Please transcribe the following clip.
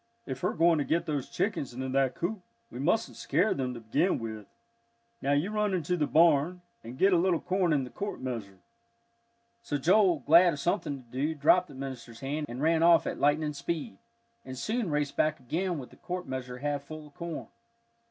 "If we're going to get those chickens into that coop, we mustn't scare them to begin with. Now, you run into the barn, and get a little corn in the quart measure." So Joel, glad of something to do, dropped the minister's hand, and ran off at lightning speed, and soon raced back again with the quart measure half full of corn.